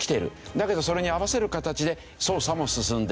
だけどそれに合わせる形で捜査も進んでいる。